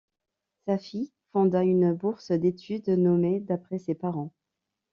Sa fille fonda une bourse d'études nommé d'après ses parents.